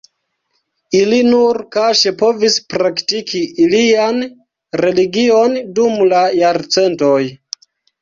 Ili nur kaŝe povis praktiki ilian religion dum la jarcentoj.